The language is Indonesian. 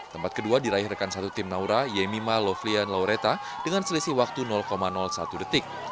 tempat kedua diraih rekan satu tim naura yemima loflian laureta dengan selisih waktu satu detik